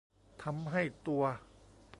ทำให้ตัว